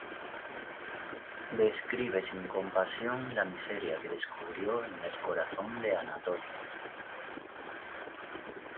Describe sin compasión la miseria que descubrió en el corazón de Anatolia.